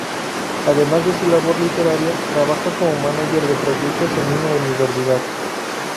Además de su labor literaria, trabaja como mánager de proyectos en una universidad.